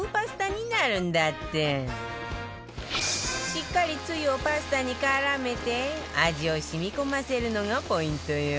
しっかりつゆをパスタに絡めて味を染み込ませるのがポイントよ